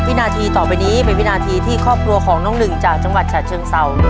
วินาทีต่อไปนี้เป็นวินาทีที่ครอบครัวของน้องหนึ่งจากจังหวัดฉะเชิงเศร้า